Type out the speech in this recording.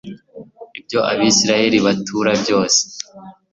ibyo abayisraheli batura byose